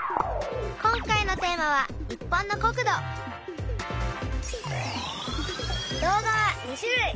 今回のテーマは「日本の国土」。動画は２種類。